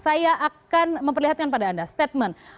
saya akan memperlihatkan pada anda statement